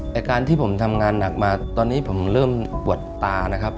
การที่ผมทำงานหนักมาตอนนี้ผมเริ่มปวดตานะครับ